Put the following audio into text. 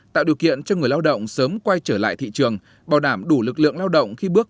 tạo điều kiện cho người lao động sớm quay trở lại thị trường bảo đảm đủ lực lượng lao động khi bước